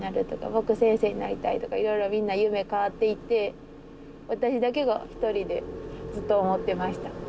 「僕先生になりたい」とかいろいろみんな夢変わっていって私だけが一人でずっと思ってました。